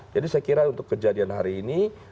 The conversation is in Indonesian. saya kira untuk kejadian hari ini